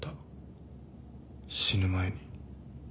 死ぬ前に。